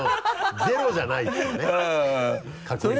ゼロじゃないっていうね確率は。